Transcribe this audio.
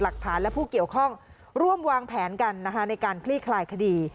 หลักฐานและผู้เกี่ยวข้องร่วมวางแผนกันนะคะในการคลี่คลายคดี